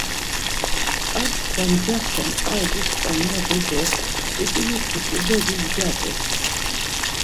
Ar çkva ncaşen ar but̆ǩa melu do tzip̌ilişi ǩudelis gyat̆u.